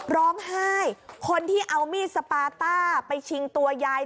ร้องไห้คนที่เอามีดสปาต้าไปชิงตัวยาย